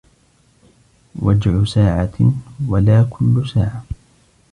وجع ساعة ولا كل ساعة.